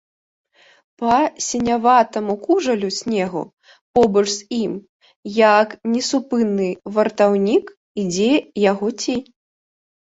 Па сіняватаму кужалю снегу, побач з ім, як несупынны вартаўнік, ідзе яго цень.